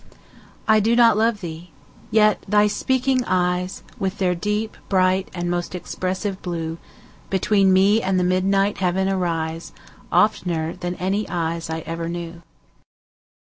I do not love thee!—yet thy speaking eyes, With their deep, bright, and most expressive blue, Between me and the midnight heaven arise, 15 Oftener than any eyes I ever knew.